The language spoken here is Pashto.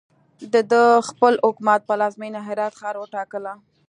ده د خپل حکومت پلازمینه هرات ښار وټاکله.